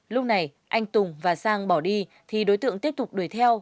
lúc này anh tùng và sang bỏ đi thì đối tượng tiếp tục đuổi theo